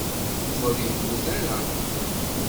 Yuba ur yemmut ara.